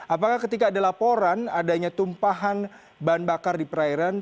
apakah ketika ada laporan adanya tumpahan bahan bakar di perairan